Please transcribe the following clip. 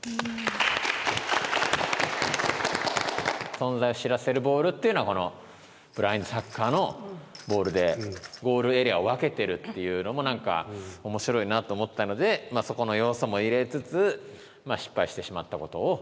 「存在を知らせる球」っていうのはこのブラインドサッカーのボールでゴールエリアを分けてるっていうのも何か面白いなと思ったのでそこの要素も入れつつ失敗してしまったことを。